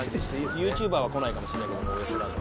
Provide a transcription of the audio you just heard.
ＹｏｕＴｕｂｅｒは来ないかもしんないけどウエストランド。